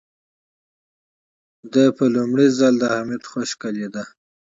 دې په لومړي ځل د حميد خشکه لېده.